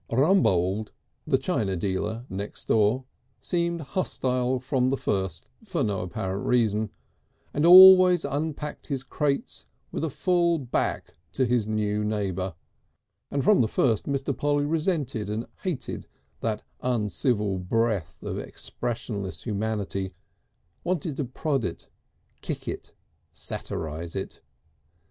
Rumbold, the china dealer next door, seemed hostile from the first for no apparent reason, and always unpacked his crates with a full back to his new neighbour, and from the first Mr. Polly resented and hated that uncivil breadth of expressionless humanity, wanted to prod it, kick it, satirise it.